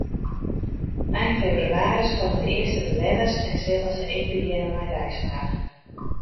Ein febrewaris komme de earste bewenners en sille se ek begjinne mei deisoarch.